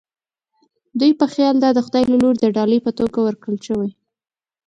دوی په خیال دا د خدای له لوري د ډالۍ په توګه ورکړل شوې.